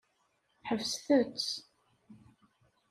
Ḥebset-t.